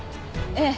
ええ。